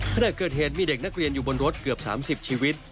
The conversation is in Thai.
ขณะเกิดเหตุมีเด็กนักเรียนอยู่บนรถเกือบ๓๐ชีวิต